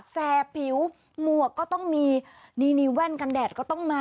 แสบผิวหมวกก็ต้องมีนี่นี่แว่นกันแดดก็ต้องมา